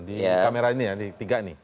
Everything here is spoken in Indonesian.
di kamera ini ya di tiga nih